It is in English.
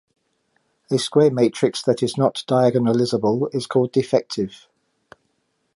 A square matrix that is not diagonalizable is called defective.